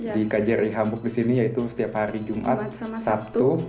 di kjri hamburg di sini yaitu setiap hari jumat sabtu